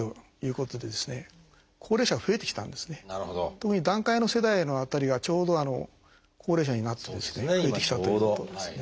特に団塊の世代の辺りがちょうど高齢者になってですね増えてきたということですね。